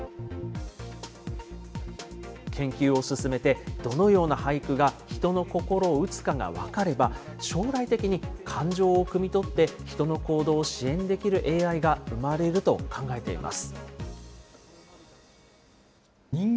研究を進めて、どのような俳句が人の心を打つかが分かれば、将来的に感情をくみ取って、人の行動を支援できるＡＩが生まれると考えています。